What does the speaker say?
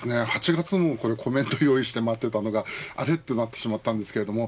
８月もコメントを用意して待っていたのがあれ、となってしまったんですけれども。